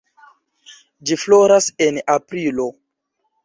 Ĝi floras en aprilo.